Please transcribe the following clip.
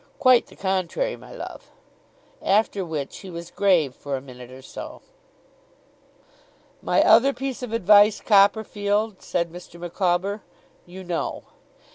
Quite the contrary, my love.' After which, he was grave for a minute or so. 'My other piece of advice, Copperfield,' said Mr. Micawber, 'you know.